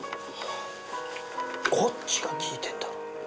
こっちが聞いてんだろ。